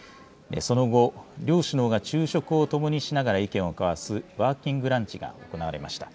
その後、両首脳が昼食をともにしながら、意見を交わすワーキングランチが行われました。